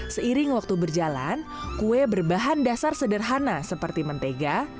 seiring waktu berjalan kue berbahan dasar sederhana seperti mentega